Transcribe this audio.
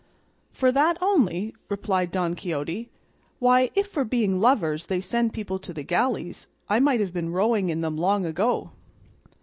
"For that only?" replied Don Quixote; "why, if for being lovers they send people to the galleys I might have been rowing in them long ago."